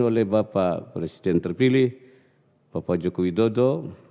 oleh bapak presiden terpilih bapak jokowi dodo